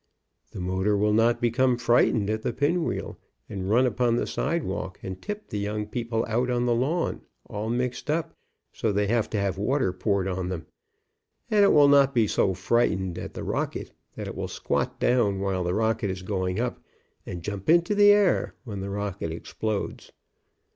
The motor will not become frightened at the pin wheel and run upon the sidewalk and tip the young people out on the lawn, all mixed up, so they have to have water poured on them, and it will not be so frightened at the rocket that it will squat down while the rocket is going up, and jump into the air when the rocket explodes.